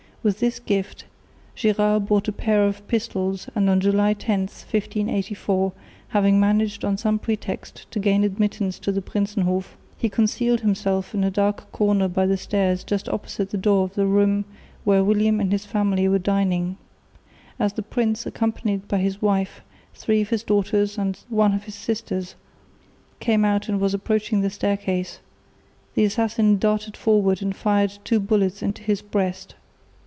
With this gift Gérard bought a pair of pistols and on July 10, 1584, having managed on some pretext to gain admittance to the Prinsenhof, he concealed himself in a dark corner by the stairs just opposite the door of the room where William and his family were dining. As the prince, accompanied by his wife, three of his daughters and one of his sisters, came out and was approaching the staircase, the assassin darted forward and fired two bullets into his breast.